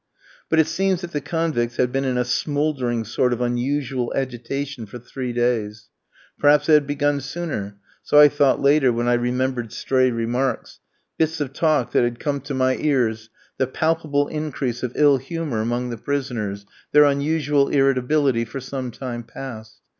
But it seems that the convicts had been in a smouldering sort of unusual agitation for three days. Perhaps it had begun sooner; so I thought later when I remembered stray remarks, bits of talk that had come to my ears, the palpable increase of ill humour among the prisoners, their unusual irritability for some time past.